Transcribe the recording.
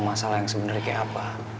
masalah yang sebenarnya kayak apa